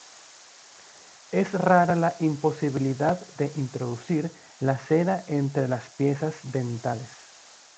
Es rara la imposibilidad de introducir la seda entre las piezas dentales.